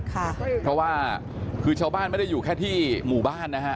เพราะว่าคือชาวบ้านไม่ได้อยู่แค่ที่หมู่บ้านนะฮะ